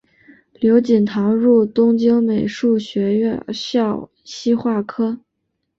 刘锦堂入东京美术学校西画科